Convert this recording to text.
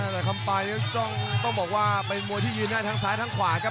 แต่คำไปต้องบอกว่าเป็นมวยที่ยืนได้ทั้งซ้ายทั้งขวาครับ